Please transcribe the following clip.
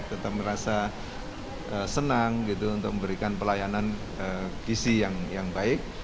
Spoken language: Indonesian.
tetap merasa senang gitu untuk memberikan pelayanan gizi yang baik